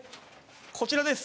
こちらです。